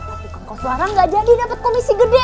atau kekos barang gak jadi dapet komisi gede